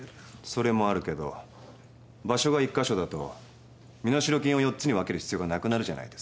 それもあるけど場所が１か所だと身代金を４つに分ける必要がなくなるじゃないですか。